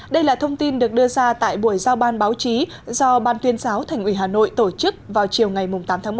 đây là thông tin được đưa ra tại buổi giao ban báo chí do ban tuyên giáo thành ủy hà nội tổ chức vào chiều ngày tám tháng một